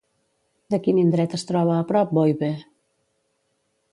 De quin indret es troba a prop Boibe?